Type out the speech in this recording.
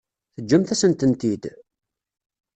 Teǧǧamt-asen-tent-id?